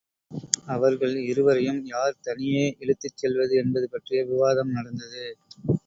அவர்கள் இருவரையும் யார் தனியே இழுத்துச் செல்வது என்பது பற்றி விவாதம் நடந்தது.